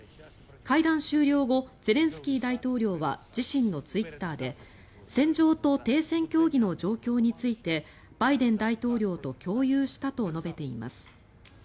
会談終了後ゼレンスキー大統領は自身のツイッターで戦場と停戦協議の状況についてバイデン大統領と共有したと述べています。